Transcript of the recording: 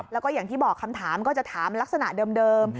แล้วก็อย่างที่บอกคำถามก็จะถามลักษณะเดิม